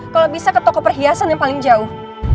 kalau bisa ke toko perhiasan yang paling jauh